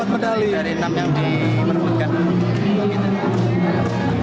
empat medali dari enam yang diperbutkan